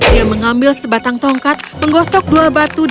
dia mengambil sebatang tongkat menggosok dua batu